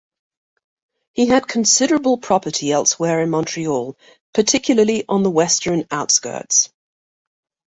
He had considerable property elsewhere in Montreal, particularly on the western outskirts.